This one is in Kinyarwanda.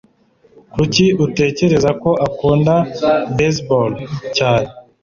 Kuki utekereza ko akunda baseball cyane?